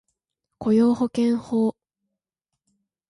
雇用保険法